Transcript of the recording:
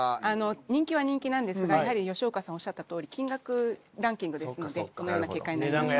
人気は人気なんですがやはり吉岡さんおっしゃったとおり金額ランキングですのでこのような結果になりました。